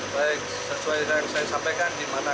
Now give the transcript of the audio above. baik sesuai yang saya sampaikan